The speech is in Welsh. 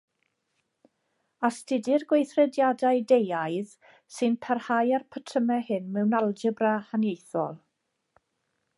Astudir gweithrediadau deuaidd sy'n parhau â'r patrymau hyn mewn algebra haniaethol.